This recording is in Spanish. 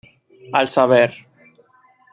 Al saber.